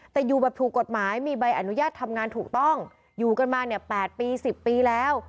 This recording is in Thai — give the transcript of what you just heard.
แต่อยู่แบบถูกกฎหมายมีใบอนุญาตทำงานถูกต้องอยู่กันมาเนี่ย๘ปี๑๐ปีแล้ว